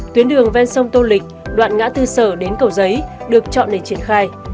tuyến đường ven sông tô lịch đoạn ngã tư sở đến cầu giấy được chọn để triển khai